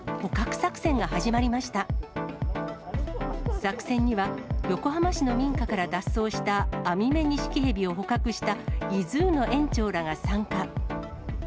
作戦には横浜市の民家から脱走したアミメニシキヘビを捕獲したイズーの園長らが参加。